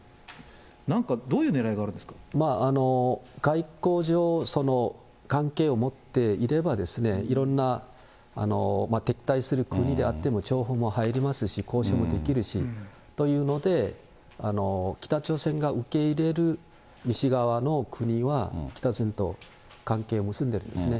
なんかどういうねらいがあるんで外交上、関係を持っていれば、いろんな敵対する国であっても情報も入りますし、交渉もできるしというので、北朝鮮が受け入れる西側の国は、北朝鮮と関係を結んでるんですね。